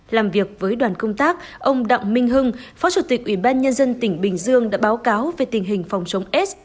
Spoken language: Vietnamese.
làm việc với đoàn công tác ông đặng minh hưng phó chủ tịch ủy ban nhân dân tỉnh bình dương đã báo cáo về tình hình phòng chống s